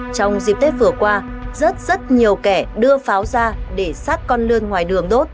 trong dịp tết vừa qua rất rất nhiều kẻ đưa pháo ra để sát con lươn ngoài đường đốt